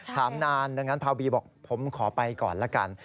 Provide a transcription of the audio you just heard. ถามนานดังนั้นพาบีบอกผมขอไปก่อนละกัน